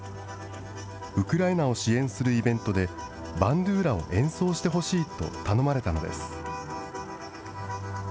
ウクライナを支援するイベントで、バンドゥーラを演奏してほしいと頼まれたのです。